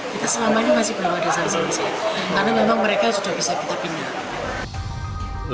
kita selama ini masih belum ada sanksi karena memang mereka sudah bisa kita pindah